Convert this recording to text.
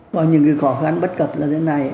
có nhiều cái khó khăn bất cập là thế này